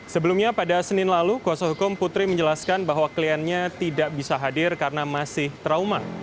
sebelumnya pada senin lalu kuasa hukum putri menjelaskan bahwa kliennya tidak bisa hadir karena masih trauma